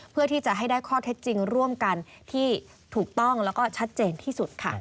เพื่อที่จะให้ได้ข้อเท็จจริงร่วมกันที่ถูกต้องแล้วก็ชัดเจนที่สุดค่ะ